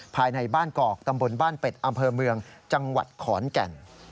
ภายในบ้านกอกตำบลบ้านเป็ดอำเภอเมืองจังหวัดขอนแก่น